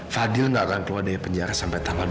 fadil tidak akan keluar dari penjara sampai tanggal dua puluh